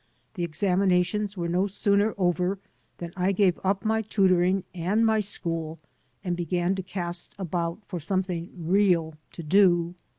* The examinations were no sooner over than I gave up my tutoring and my school and began to cast about for something real to do.